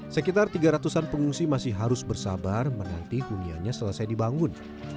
sekitar tiga ratusan pengungsi masih harus bersabar menanti huniannya selesai dibangun